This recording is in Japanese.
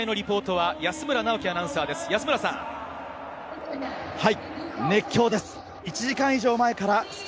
この試合のリポートは安村直樹アナウンサーです。